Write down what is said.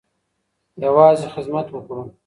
يوازې خدمت وکړو.